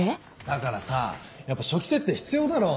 だからさやっぱ初期設定必要だろ。